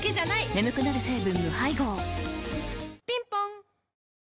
眠くなる成分無配合ぴんぽん